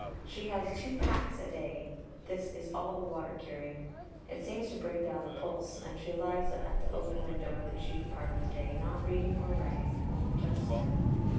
She has two "packs" a day; this is all the water curing; it seems to bring down the pulse, and she lies at that open window the chief part of the day, not reading or writing, only just still.